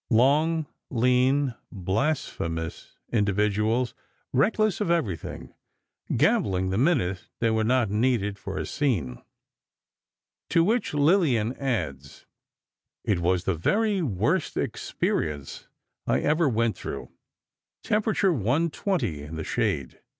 Long, lean blasphemous individuals, reckless of everything, gambling the minute they were not needed for a scene. To which Lillian adds: "It was the very worst experience I ever went through. Temperature 120 in the shade.